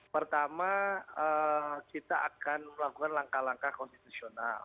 pertama kita akan melakukan langkah langkah konstitusional